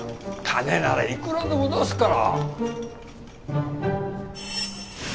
金ならいくらでも出すから。